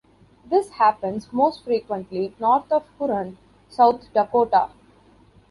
This happens most frequently north of Huron, South Dakota.